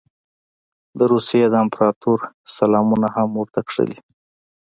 د روسیې د امپراطور سلامونه هم ورته کښلي.